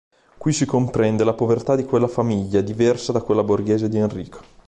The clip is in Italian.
Qui si comprende la povertà di quella famiglia, diversa da quella borghese di Enrico.